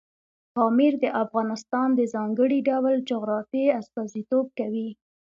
پامیر د افغانستان د ځانګړي ډول جغرافیې استازیتوب کوي.